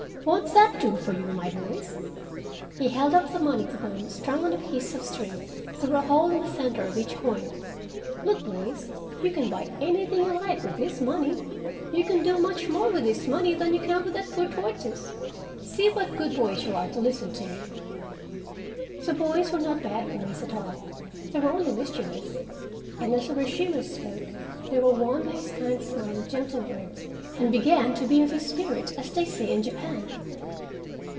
Won't that do for you, my boys?" He held up the money to them, strung on a piece of string through a hole in the center of each coin. "Look, boys, you can buy anything you like with this money. You can do much more with this money than you can with that poor tortoise. See what good boys you are to listen to me." The boys were not bad boys at all, they were only mischievous, and as Urashima spoke they were won by his kind smile and gentle words and began "to be of his spirit," as they say in Japan.